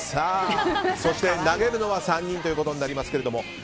そして、投げるのは３人ということになります。